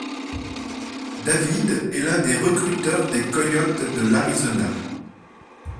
David est l'un des recruteurs des Coyotes de l'Arizona.